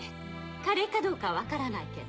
華麗かどうかは分からないけど。